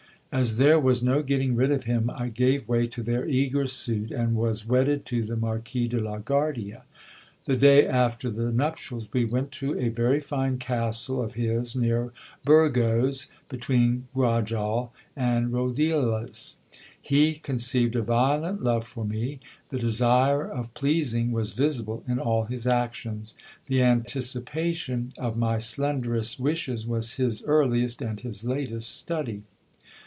As there was no getting rid of him, I gave way to their eager suit, and was wedded to the Marquis de la Guardia. The day after the nuptials, we went to a very fine castle of his near Burgos, between Grajal and Rodillas. He con ceived a violent love for me : the desire of pleasing was visible in all his actions : the anticipation of my slenderest wishes was his earliest and his latest study.